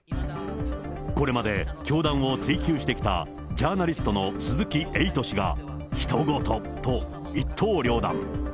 これまで教団を追及してきたジャーナリストの鈴木エイト氏がひと事、と一刀両断。